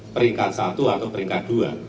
peringkat satu atau peringkat dua